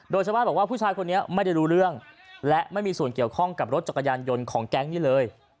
โดยชาวบ้านบอกว่าผู้ชายคนนี้ไม่ได้รู้เรื่องและไม่มีส่วนเกี่ยวข้องกับรถจักรยานยนต์ของแก๊งนี้เลย